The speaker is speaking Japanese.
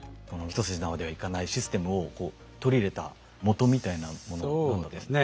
一筋縄ではいかないシステムをこう取り入れたもとみたいなものって。